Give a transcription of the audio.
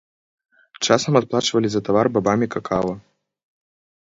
Часам адплачвалі за тавар бабамі какава.